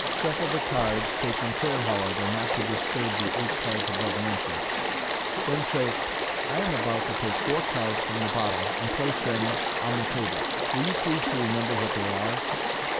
Shuffle the cards, taking care however, not to disturb the eight cards above mentioned. Then say, * I am about to take four cards from the bottom, and place them on t^ 3 table. Will you please to remember what they are